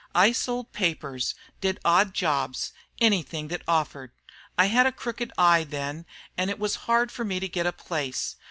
I sold papers, did odd jobs, anything that offered. I had a crooked eye then, and it was hard for me to get a place.